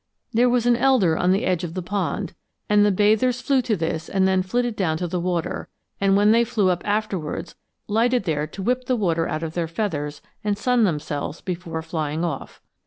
There was an elder on the edge of the pond, and the bathers flew to this and then flitted down to the water; and when they flew up afterwards, lighted there to whip the water out of their feathers and sun themselves before flying off.